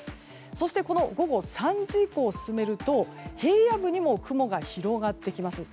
そして、午後３時以降進めると平野部にも雲が広がってきます。